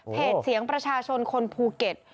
เสียงประชาชนคนภูเก็ต